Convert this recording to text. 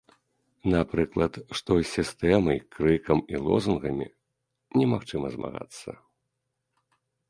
Напрыклад, што з сістэмай крыкам і лозунгамі немагчыма змагацца.